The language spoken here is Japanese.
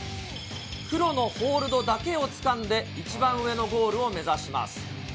黒のホールドだけをつかんで、一番上のゴールを目指します。